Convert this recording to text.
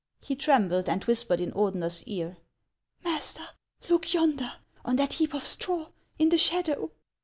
He trembled, and whispered in Ordener's ear, — "Master, look yonder, on that heap of straw, in the shadow